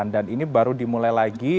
dan ini baru dimulai lagi